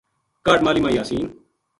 کا ہڈ ماہلی ما یاسین